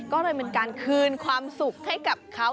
ก็เลยเป็นการคืนความสุขให้กับเขา